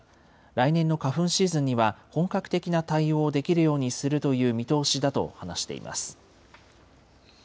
来年の花粉シーズンには本格的な対応をできるようにするという見通しだと話しています。